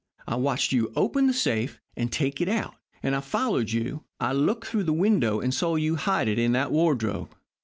I watched you open the safe and take it out, and I followed you. I looked through the window and saw you hide it in that wardrobe.'